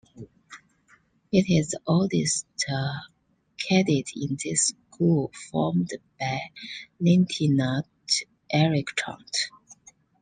It is the oldest cadet in this school formed by Lieutenant Eric Chart.